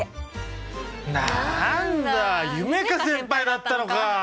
何だ夢叶先輩だったのか！